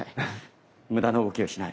無駄な動きをしない。